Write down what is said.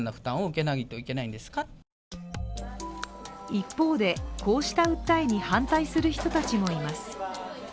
一方で、こうした訴えに反対する人たちもいます。